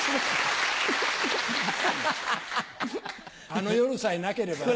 あの夜さえなければな。